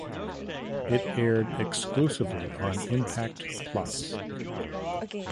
It aired exclusively on Impact Plus.